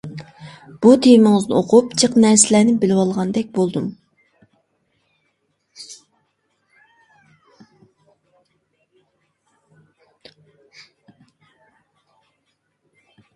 بۇ تېمىڭىزنى ئوقۇپ، جىق نەرسىلەرنى بىلىۋالغاندەك بولدۇم.